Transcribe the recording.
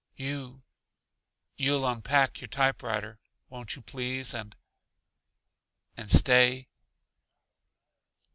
"You you'll unpack your typewriter, won't you please, and and stay?"